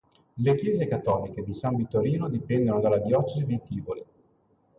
Le chiese cattoliche di San Vittorino dipendono dalla diocesi di Tivoli.